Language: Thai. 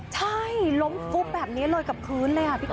ใช่ล้มฟุบแบบนี้เลยกับพื้นเลยพี่ก